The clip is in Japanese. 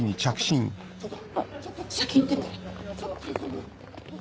あっ先行ってて。